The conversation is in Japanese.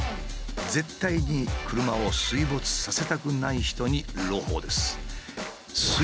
絶対に車を水没させたくない人に朗報です。